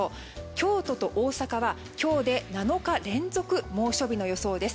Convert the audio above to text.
京都と大阪は今日で７日連続猛暑日の予想です。